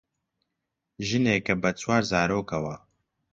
ژنێکە بە چوار زارۆکەوە